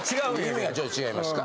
意味がちょっと違いますか。